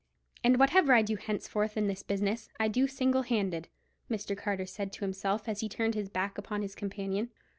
"And whatever I do henceforth in this business, I do single handed," Mr. Carter said to himself, as he turned his back upon his companion.